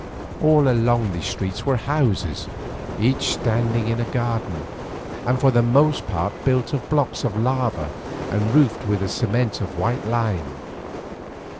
All along these streets were houses each standing in a garden, and for the most part built of blocks of lava and roofed with a cement of white lime.